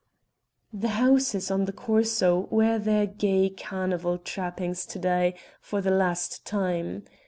The houses on the Corso wear their gay carnival trappings to day for the last time.